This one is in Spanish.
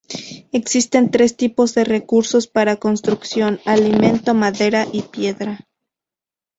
Existen tres tipos de recursos para construcción: alimento, madera y piedra.